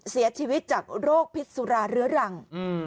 เสียชีวิตจากโรคพิษสุราเรื้อรัง